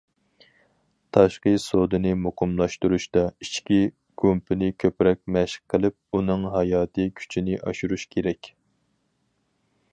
تاشقى سودىنى مۇقىملاشتۇرۇشتا، ئىچكى گۇمپىنى كۆپرەك مەشىق قىلىپ، ئۇنىڭ ھاياتىي كۈچىنى ئاشۇرۇش كېرەك.